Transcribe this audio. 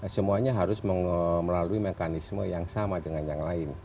semuanya harus melalui mekanisme yang sama dengan yang lain